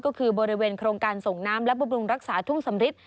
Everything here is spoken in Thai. ก็คือบริเวณโครงการส่งน้ำและบำรุงรักษาทุ่งสำริท